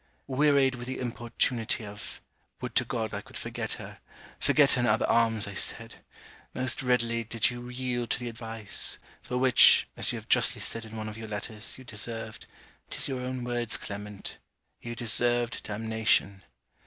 Wearied with the importunity of 'would to God I could forget her!' Forget her in other arms, I said. Most readily did you yield to the advice; for which, as you have justly said in one of your letters, you deserved 'tis your own words, Clement you deserved damnation.